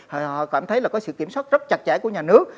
họ cảm thấy là có sự kiểm soát rất chặt chẽ của nhà nước